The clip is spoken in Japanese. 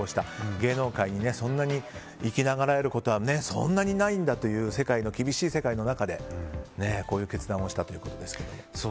芸能界にそんなに生きながらえることはそんなにないんだという厳しい世界の中でこういう決断をしたということですが。